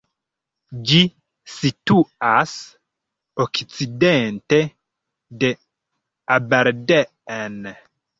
Ĝi situas okcidente de Aberdeen.